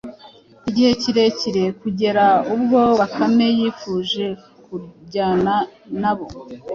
igihe kirekire, kugera ubwo Bakame yifuje kujyana na bo